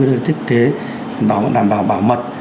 đã được thiết kế đảm bảo bảo mật